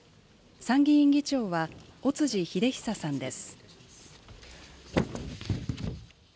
参議院議長は尾辻秀久さんです。